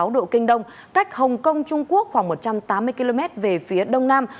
một trăm một mươi năm sáu độ kinh đông cách hồng kông trung quốc khoảng một trăm tám mươi km về phía đông nam